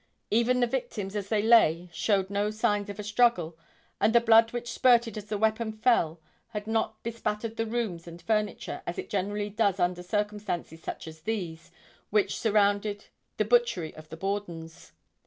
Even the victims as they lay showed no signs of a struggle and the blood which spurted as the weapon fell had not bespattered the rooms and furniture as it generally does under circumstances such as these which surrounded the butchery of the Bordens.